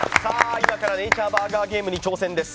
今から「ネイチャーバーガーゲーム」に挑戦です。